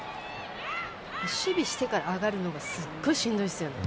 守備してから上がるのがすっごい、しんどいですよね。